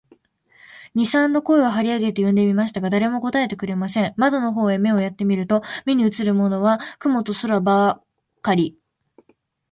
二三度声を張り上げて呼んでみましたが、誰も答えてくれません。窓の方へ目をやって見ると、目にうつるものは雲と空ばかり、